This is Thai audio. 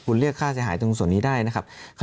คุณเรียกค่าเสียหายตรงส่วนนี้ได้นะครับ